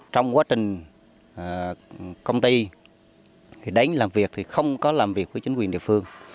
trong quá trình công ty đến làm việc thì không có làm việc với chính quyền địa phương